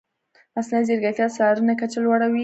مصنوعي ځیرکتیا د څارنې کچه لوړه وي.